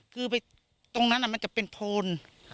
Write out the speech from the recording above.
คือตรงนั้นมันจะเป็นโพน